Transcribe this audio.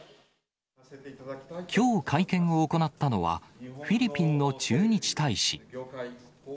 きょう、会見を行ったのは、フィリピンの駐日大使。